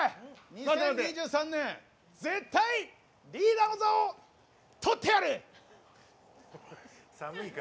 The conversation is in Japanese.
２０２３年絶対リーダーの座を取ってやる！